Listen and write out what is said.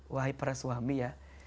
wahai para suami ya